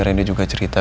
rendy juga cerita